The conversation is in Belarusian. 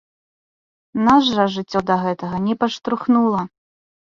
Нас жа жыццё да гэтага не падштурхнула.